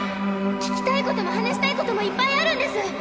聞きたいことも話したいこともいっぱいあるんです。